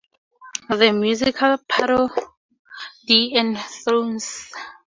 The Musical Parody" and "Thrones!